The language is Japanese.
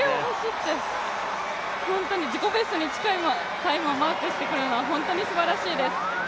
本当に自己ベストに近いタイムをマークしてくるのは本当にすばらしいです。